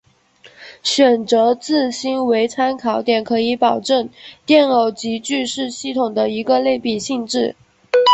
选择质心为参考点可以保证电偶极矩是系统的一个内禀性质。